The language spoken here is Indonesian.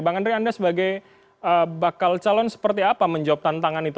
bang andre anda sebagai bakal calon seperti apa menjawab tantangan itu